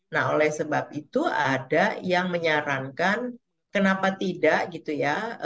nah oleh sebab itu ada yang menyarankan kenapa tidak gitu ya